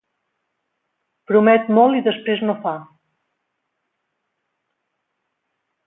Promet molt i després no fa.